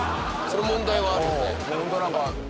その問題はあるよね。